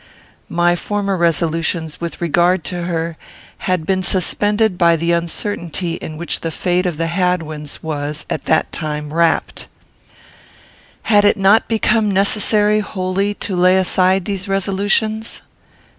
My former resolutions with regard to her had been suspended by the uncertainty in which the fate of the Hadwins was, at that time, wrapped. Had it not become necessary wholly to lay aside these resolutions?